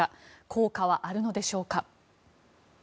効果はあるのでしょうか。